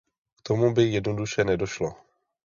K tomu by jednoduše nedošlo.